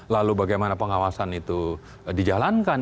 lalu bagaimana pengawasan itu dijalankan